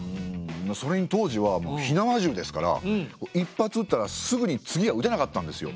それに当時は火縄銃ですから一発うったらすぐに次はうてなかったんですよ。